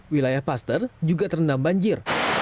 wilayah paster juga terendam banjir